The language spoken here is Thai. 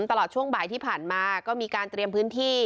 ตลอดช่วงบ่ายที่ผ่านมาก็มีการเตรียมพื้นที่